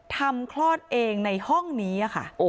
ทำคลอดเองในห้องนี้